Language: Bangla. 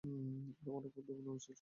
তোমার উপর আমাদের পূর্ণ বিশ্বাস রয়েছে।